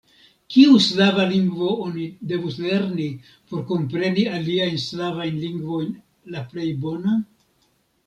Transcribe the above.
Kiu slava lingvo oni devus lerni por kompreni aliajn slavajn lingvojn la plej bona?